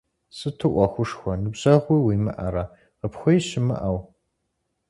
Сыту ӏуэхушхуэ, ныбжьэгъуи уимыӀэрэ къыпхуеи щымыӀэу?